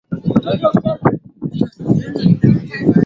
takriban watu mia tatu themanini wamepoteza maisha katika tukio hilo